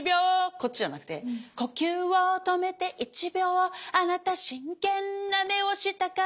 こっちじゃなくて「呼吸を止めて１秒あなた真剣な目をしたから」